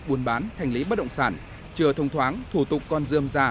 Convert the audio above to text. buôn bán thành lý bất động sản trừa thông thoáng thủ tục con dươm già